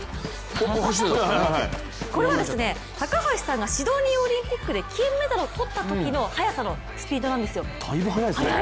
これは高橋さんがシドニーオリンピックで金メダルを取ったときのスピードなんですよ。